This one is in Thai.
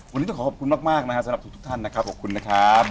วันนี้ต้องขอขอบคุณมากนะครับสำหรับทุกท่านนะครับขอบคุณนะครับ